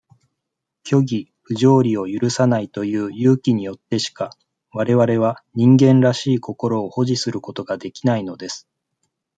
虚偽、不条理を許さないという勇気によってしか、我々は、人間らしい心を保持することができないのです。